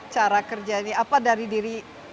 cara kerja ini apa dari diri